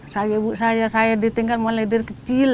saya ibu saya saya ditinggal mulai dari kecil